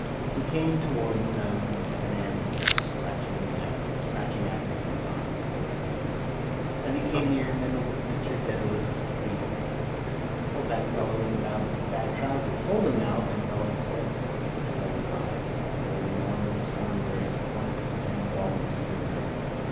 He came towards them at an amble, scratching actively behind his coattails. As he came near Mr Dedalus greeted: —Hold that fellow with the bad trousers. —Hold him now, Ben Dollard said. Mr Dedalus eyed with cold wandering scorn various points of Ben Dollard's figure.